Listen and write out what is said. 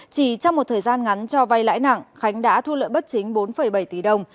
chỉ trong một thời gian ngắn cho vay lãi nặng khánh đã thu lợi bất chính bốn bảy tỷ đồng